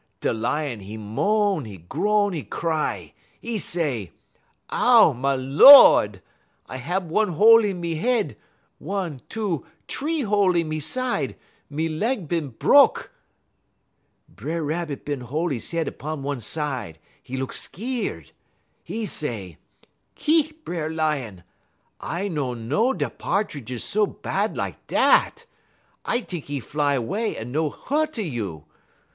"Da Lion, 'e moan, 'e groan, 'e cry; 'e say: "'Ow, ma Lord! I hab one hole in me head, one, two, t'ree hole in me side, me leg bin bruk!' "B'er Rabbit bin hol' 'e head 'pon one side; 'e look skeer. 'E say: "'Ki, B'er Lion! I no know da Pa'tridge is so bahd lak dat. I t'ink 'e fly 'way un no hu't a you.